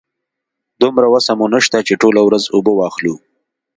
دومره وسه مو نشته چې ټوله ورځ اوبه واخلو.